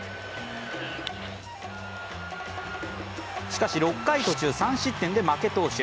しかし、６回途中、３失点で負け投手。